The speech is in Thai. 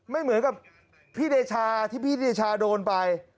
ไม่เหมือนกับพี่เดชาที่พี่เดชาโดนไป